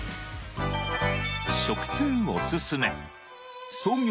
食通おすすめ創業